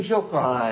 はい。